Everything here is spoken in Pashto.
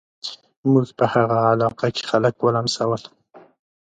موږ په هغه علاقه کې خلک ولمسول.